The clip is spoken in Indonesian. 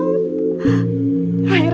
akhirnya kamu pulang juga tunt